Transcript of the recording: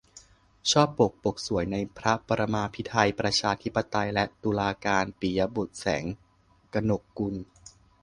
ชอบปก ปกสวย ในพระปรมาภิไธย ประชาธิปไตย และตุลาการ - ปิยะบุตร แสงกนกกุล